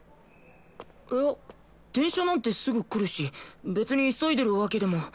いや電車なんてすぐ来るし別に急いでるわけでも。